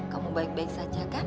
kamu baik baik saja kah